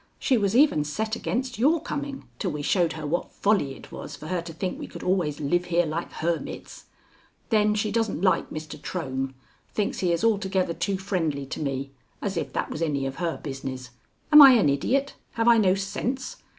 She was even set against your coming till we showed her what folly it was for her to think we could always live here like hermits. Then she doesn't like Mr. Trohm; thinks he is altogether too friendly to me as if that was any of her business. Am I an idiot? Have I no sense?